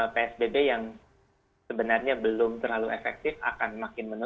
psbb yang sebenarnya belum terlalu efektif akan makin menurun